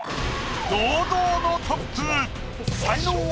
堂々のトップ。